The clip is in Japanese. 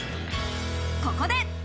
ここで。